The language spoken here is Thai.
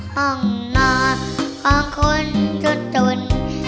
ห้องนอนของคนจุดจน